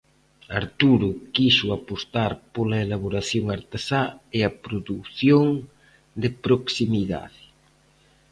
Arturo quixo apostar pola elaboración artesá e a produción de proximidade.